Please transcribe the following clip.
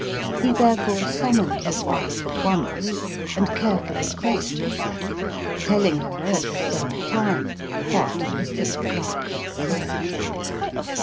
He therefore summoned his wife at once, and carefully questioned her, telling her, at the same time, what the sick clerk had said.